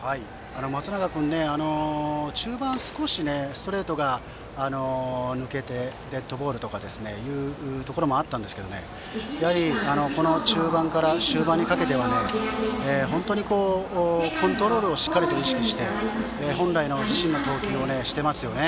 松永君、中盤少しストレートが抜けてデッドボールなどもあったんですがやはり、中盤から終盤にかけては本当にコントロールをしっかりと意識して本来の自身の投球をしていますね。